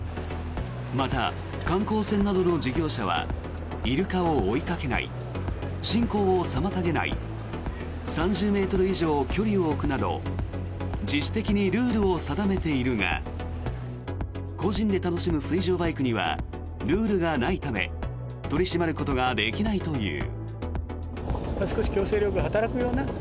また、観光船などの事業者はイルカを追いかけない進行を妨げない３０ｍ以上距離を置くなど自主的にルールを定めているが個人で楽しむ水上バイクにはルールがないため取り締まることができないという。